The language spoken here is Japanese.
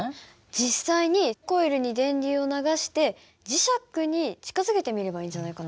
実際にコイルに電流を流して磁石に近づけてみればいいんじゃないかな。